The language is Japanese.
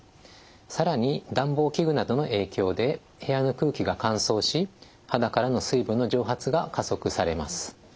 更に暖房器具などの影響で部屋の空気が乾燥し肌からの水分の蒸発が加速されます。